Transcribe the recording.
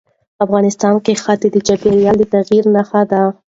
افغانستان کې ښتې د چاپېریال د تغیر نښه ده.